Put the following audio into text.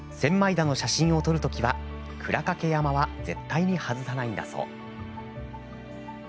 田の写真を撮るときは鞍掛山は絶対に外さないんだそう。